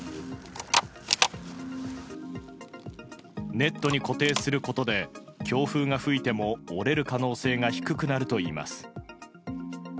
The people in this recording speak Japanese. ネットに固定することで強風が吹いても折れる可能性が低くなるといいます。